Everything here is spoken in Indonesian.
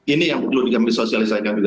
ini yang perlu dikambil sosialisasi